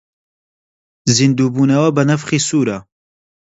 زیندوو بوونەوە بە نەفخی سوورە